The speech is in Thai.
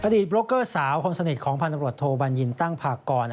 อดีตโบรกเกอร์สาวความสนิทของพันธุ์ตำรวจโทบันยินตั้งภากร